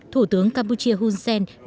thủ tướng campuchia hun sen nhiệt liệt chúc mừng